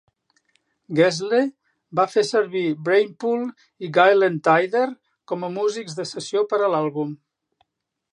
Gessle va fer servir Brainpool i Gyllene Tider com a músics de sessió per a l'àlbum.